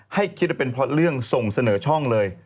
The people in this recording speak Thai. ให้คิดว่าเป็นเพราะเรื่องส่งเสนอช่องเลย